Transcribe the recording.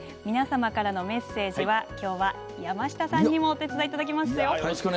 皆様からのメッセージはきょうは山下さんにもお手伝いいただきますよ。